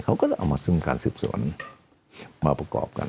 เขาก็เอามาสมคัญสุดส่วนมาประกอบกัน